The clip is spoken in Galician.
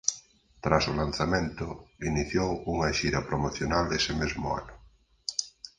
Tras o lanzamento iniciou unha xira promocional ese mesmo ano.